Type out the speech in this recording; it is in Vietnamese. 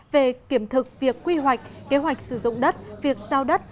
về kiểm thực việc quy hoạch kế hoạch sử dụng đất việc giao đất